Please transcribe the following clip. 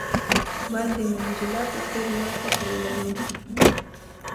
باید د منډېلا په څېر لوړ فکر ولرو.